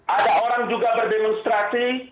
ada orang juga berdemonstrasi